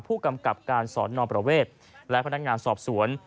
ผู้กำกับการสอนอประเวทและพนักงานสอบสวน